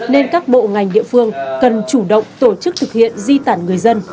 nên các bộ ngành địa phương cần chủ động tổ chức thực hiện di tản người dân